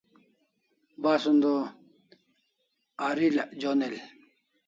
Basun o arilak jonel